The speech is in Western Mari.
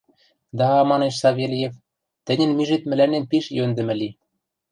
— Да, — манеш Савельев, — тӹньӹн мижет мӹлӓнем пиш йӧндӹмӹ ли.